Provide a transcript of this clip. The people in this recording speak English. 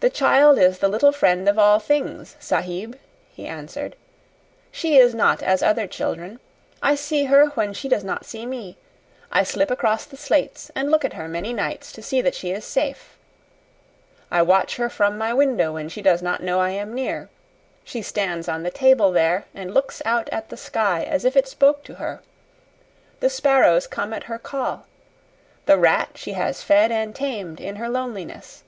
"The child is the little friend of all things, Sahib," he answered. "She is not as other children. I see her when she does not see me. I slip across the slates and look at her many nights to see that she is safe. I watch her from my window when she does not know I am near. She stands on the table there and looks out at the sky as if it spoke to her. The sparrows come at her call. The rat she has fed and tamed in her loneliness.